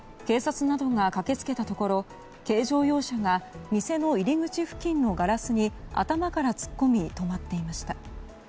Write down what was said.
警察などが駆け付けたところ軽乗用車が店の入り口付近のガラスに頭から突っ込み止まっていました。